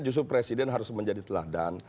justru presiden harus menjadi teladan